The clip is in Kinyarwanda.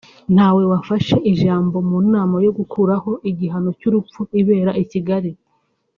na we wafashe ijambo mu nama yo gukuraho igihano cy'urupfu ibera i Kigali